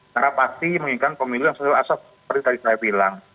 karena pasti menginginkan pemilu yang selalu asas seperti tadi saya bilang